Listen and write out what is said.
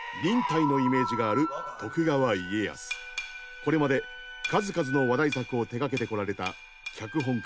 これまで数々の話題作を手がけてこられた脚本家